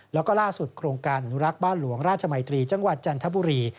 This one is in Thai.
แล้วก็ล่าสุดโครงการอนุรักษ์บ้านหลวงราชมัยตรีจังหวัดจันทบุรี